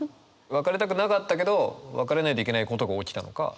別れたくなかったけど別れないといけないことが起きたのか。